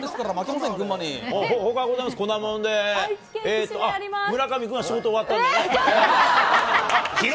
村上君は仕事終わったんでね。